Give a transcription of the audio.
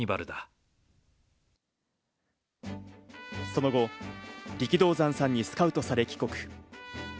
その後、力道山さんにスカウトされ、帰国。